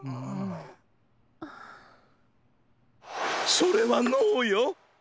それはノーよ！